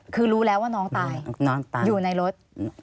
คือรู้แล้วว่าน้องตายอยู่ในรถ